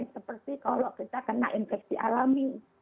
seperti kalau kita kena infeksi alami